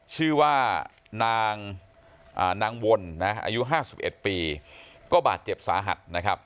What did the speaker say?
ชื่อว่านางนางวลนะอายุห้าสิบเอ็ดปีก็บาดเจ็บสาหัสนะครับ